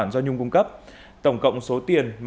nó cũng đẹp cũng xinh